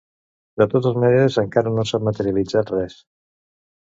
De totes maneres, encara no s’ha materialitzat res.